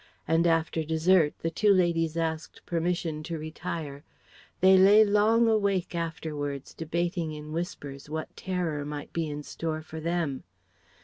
And after dessert the two ladies asked permission to retire. They lay long awake afterwards, debating in whispers what terror might be in store for them.